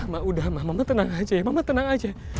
mah udah mah mama tenang aja ya mama tenang aja